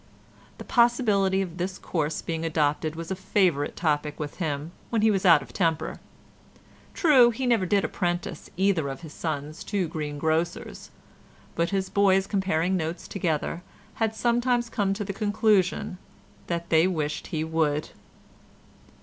The possibility of this course being adopted was a favourite topic with him when he was out of temper; true, he never did apprentice either of his sons to greengrocers, but his boys comparing notes together had sometimes come to the conclusion that they wished he would.